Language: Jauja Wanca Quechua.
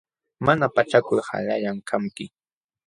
Mana pachakul qalallam kanki.